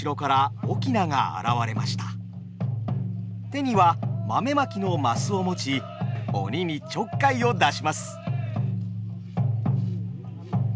手には豆まきの升を持ち鬼にちょっかいを出します。